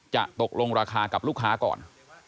จะตกลงราคากับลูกค้าก่อน